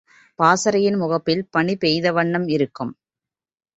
பாசறையின் முகப்பில் பனி பெய்த வண்ணம் இருக்கும்.